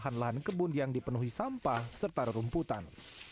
lahan lahan kebun yang dipenuhi sampah serta rumputan